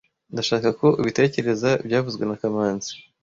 S Ndashaka ko ubitekereza byavuzwe na kamanzi